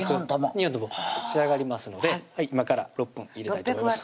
２本とも仕上がりますので今から６分入れたいと思います